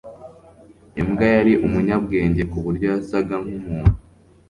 imbwa yari umunyabwenge kuburyo yasaga nkumuntu